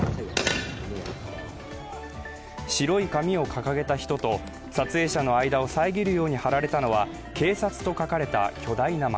白い紙を掲げた人と撮影者の間を遮るように張られたのは「警察」と書かれた巨大な幕。